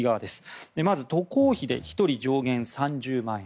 まず渡航費で１人上限３０万円。